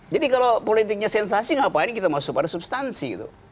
jadi kalau politiknya sensasi ngapain kita masuk pada substansi